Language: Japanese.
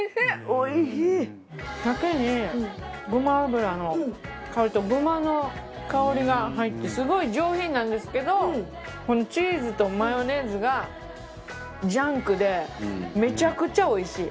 おいしい！が入ってすごい上品なんですけどこのチーズとマヨネーズがジャンクでめちゃくちゃおいしい。